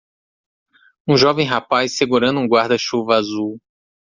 Um jovem rapaz segurando um guarda-chuva azul.